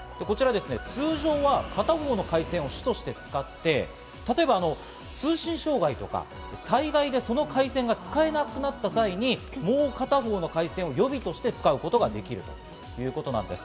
こちら、通常は片方の回線を主として使って、例えば通信障害とか、災害でその回線が使えなくなった際に、もう片方の回線を予備として使うことができるということなんです。